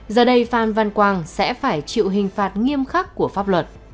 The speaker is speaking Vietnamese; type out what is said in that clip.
giờ đây phan văn quang sẽ phải chịu hình phạt nghiêm khắc của pháp luật